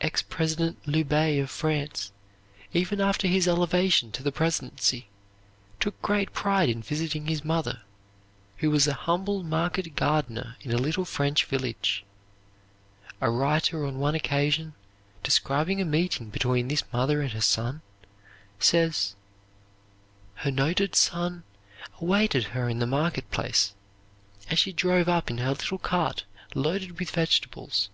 Ex President Loubet of France, even after his elevation to the presidency, took great pride in visiting his mother, who was a humble market gardener in a little French village. A writer on one occasion, describing a meeting between this mother and her son, says: "Her noted son awaited her in the market place, as she drove up in her little cart loaded with vegetables.